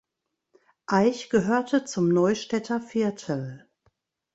Aich gehörte zum Neustädter Viertel.